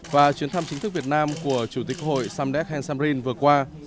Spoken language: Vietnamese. và chuyến thăm chính thức việt nam của chủ tịch quốc hội samdek hensamrin vừa qua